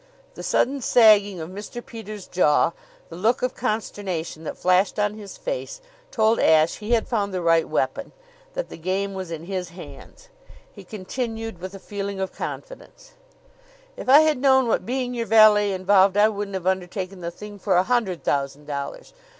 The sudden sagging of Mr. Peters' jaw, the look of consternation that flashed on his face, told Ashe he had found the right weapon that the game was in his hands. He continued with a feeling of confidence: "If I had known what being your valet involved I wouldn't have undertaken the thing for a hundred thousand dollars.